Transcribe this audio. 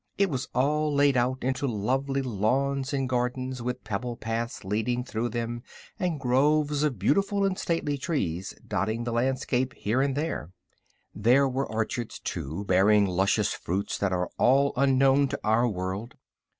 It was all laid out into lovely lawns and gardens, with pebble paths leading through them and groves of beautiful and stately trees dotting the landscape here and there. There were orchards, too, bearing luscious fruits that are all unknown in our world.